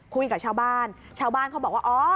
คุยกับชาวบ้านชาวบ้านเขาบอกว่าอ๋อ